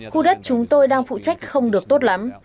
khu đất chúng tôi đang phụ trách không được tốt lắm